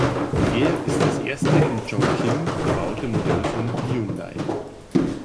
Er ist das erste in Chongqing gebaute Modell von Hyundai.